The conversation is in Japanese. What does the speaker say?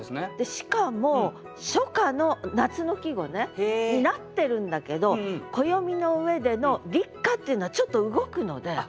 しかも初夏の夏の季語になってるんだけど暦の上での立夏っていうのはちょっと動くので。